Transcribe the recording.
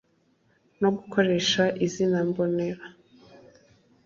no gukoresha izina mbonera